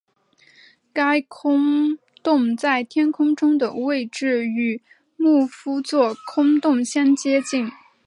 该空洞在天空中的位置与牧夫座空洞相接近。